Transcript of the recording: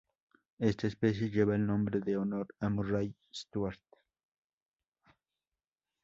Esta especie lleva el nombre en honor a Murray Stuart.